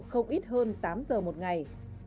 không ít hơn tám h một ngày